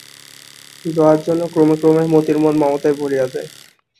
জয়ার জন্য ক্রমে ক্রমে মতির মন মমতায় ভরিয়া যায়।